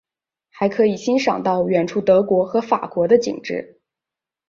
还可以欣赏到远处德国和法国的景致。